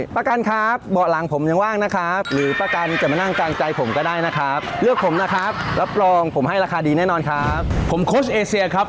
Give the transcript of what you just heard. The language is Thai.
ป๊ากันครับเบาะหลังผมยังว่างนะครับ